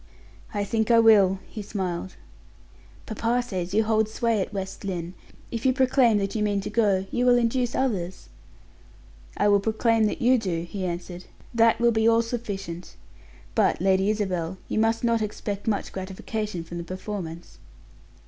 "I think I will," he smiled. "Papa says you hold sway at West Lynne. If you proclaim that you mean to go, you will induce others." "I will proclaim that you do," he answered; "that will be all sufficient. But, Lady Isabel, you must not expect much gratification from the performance."